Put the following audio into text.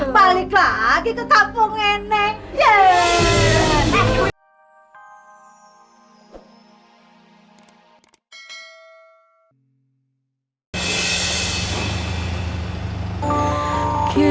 balik lagi ke kampung enek jenek